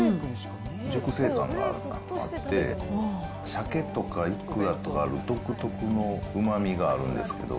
熟成感があって、さけとかいくらとか、独特のうまみがあるんですけど。